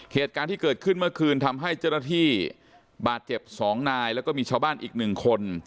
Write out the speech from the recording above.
เหตุการณ์ที่เกิดขึ้นเมื่อคืนทำให้เจ้าหน้าที่บาดเจ็บ๒นายแล้วก็มีชาวบ้านอีกหนึ่งคน